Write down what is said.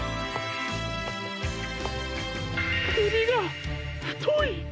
くびがふとい！